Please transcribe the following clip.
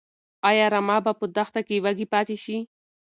ايا رمه به په دښته کې وږي پاتې شي؟